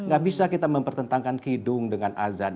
gak bisa kita mempertentangkan kidung dengan azan